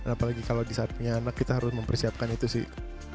apalagi kalau di saat punya anak kita harus mempersiapkan itu sih